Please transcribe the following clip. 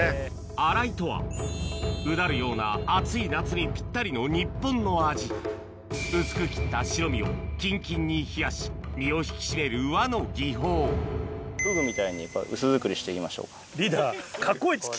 「洗い」とはうだるような暑い夏にぴったりの日本の味薄く切った白身をキンキンに冷やし身を引き締める和の技法リーダー。